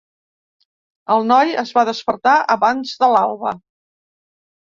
El noi es va despertar abans de l'alba.